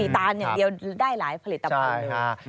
ตานเดียวได้หลายผลิตภัพย์